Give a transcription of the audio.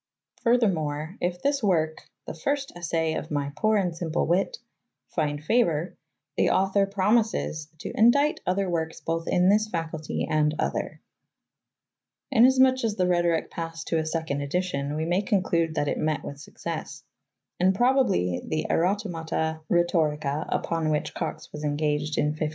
Furthermore, if this work, "the fyrste assay of my pore and symple wyt,"" find favor, the author promises "to endight other werkes both in this facultye and other." ° Inasmuch as the Rhetoric passed to a second edition,' we may conclude that it met with success ; and probably the Erotemata Rheto7 ica upon which Cox was engaged in 1540 were designed as a part fulfillment of this promise.